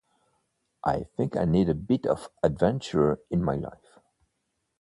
I think I need a bit of adventure in my life.